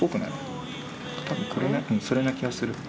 多分それな気がする。